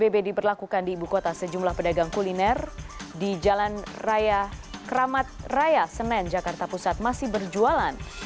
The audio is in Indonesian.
psbb diberlakukan di ibu kota sejumlah pedagang kuliner di jalan raya keramat raya senen jakarta pusat masih berjualan